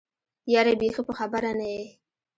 يره بېخي په خبره نه يې.